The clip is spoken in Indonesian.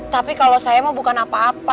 tapi kalau saya mau bukan apa apa